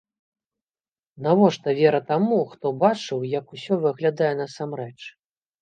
Навошта вера таму, хто бачыў, як усё выглядае насамрэч?